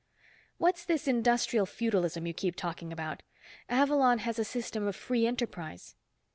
"What's this industrial feudalism, you keep talking about? Avalon has a system of free enterprise."